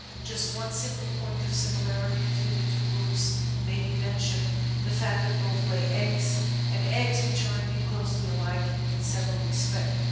Just one simple point of similarity between the two groups may be mentioned, the fact that both lay ^ggs, and eggs which are indeed closely alike in several respects.